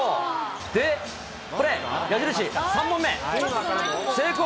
で、これ、矢印、３本目、成功。